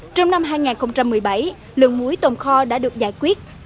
trong năm hai nghìn một mươi bảy lượng muối tồn kho đã được giải quyết